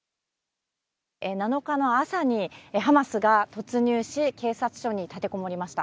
７日の朝にハマスが突入し警察署に立てこもりました。